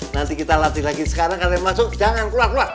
nanti kita latih lagi sekarang kalian masuk jangan keluar